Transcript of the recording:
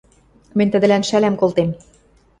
Мӹнь тӹдӹлӓн шӓлӓм колтем...»